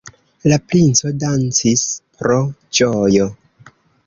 La princo dancis pro ĝojo.